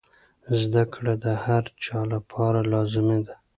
زده کړه د هر چا لپاره لازمي ده.